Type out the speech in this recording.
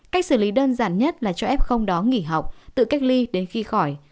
cách xử lý đơn giản nhất là cho f đó nghỉ học tự cách ly đến khi khỏi